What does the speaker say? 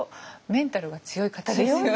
メンタルは強いですね。